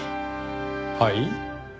はい？